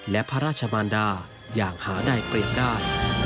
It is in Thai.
และพระราชมันดาอย่างหาใดเปลี่ยนได้